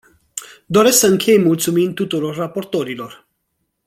Doresc să închei mulțumind tuturor raportorilor.